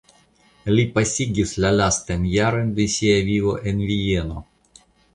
Li pasigis la lastajn jarojn de sia vivo en Vieno.